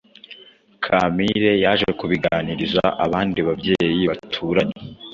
Kampire yaje kubiganiriza abandi babyeyi baturanye